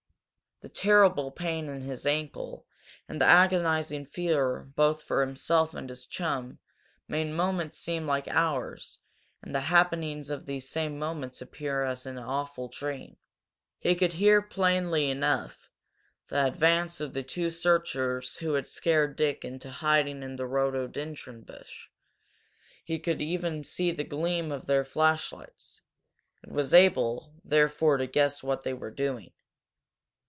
The terrible pain in his ankle and the agonizing fear both for himself and his chum made moments seem like hours and the happenings of these same moments appear as an awful dream. He could hear, plainly enough, the advance of the two searchers who had scared Dick into hiding in the rhododendron bush, he could even see the gleam of their flashlights, and was able, therefore, to guess what they were doing.